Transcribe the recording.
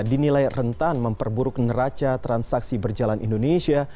dinilai rentan memperburuk neraca transaksi berjalan indonesia